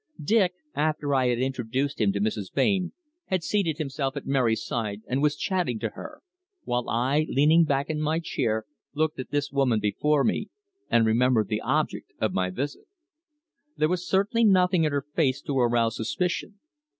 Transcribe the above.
Dick, after I had introduced him to Mrs. Blain, had seated himself at Mary's side and was chatting to her, while I, leaning back in my chair, looked at this woman before me and remembered the object of my visit. There was certainly nothing in her face to arouse suspicion.